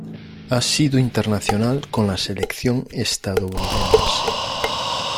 Ha sido internacional con la selección estadounidense.